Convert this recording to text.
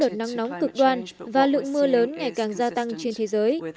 đó là các đợt nắng nóng cực đoan và lượng mưa lớn ngày càng gia tăng trên thế giới